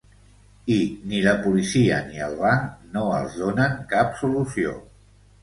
I ni la policia ni el banc no els donen cap solució.